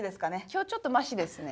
今日ちょっとマシですね。